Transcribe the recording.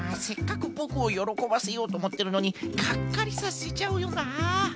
せっかくボクをよろこばせようとおもってるのにがっかりさせちゃうよなあ。